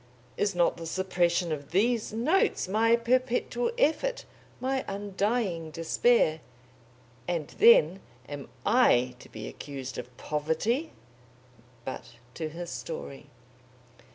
Is not the suppression of these notes my perpetual effort, my undying despair? And then, am I to be accused of poverty? But to his story.